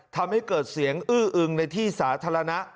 ทำให้เกิดเสียงอื้ออึงในที่สาธารณะ